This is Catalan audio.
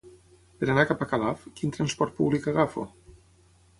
Per anar cap a Calaf, quin transport públic agafo?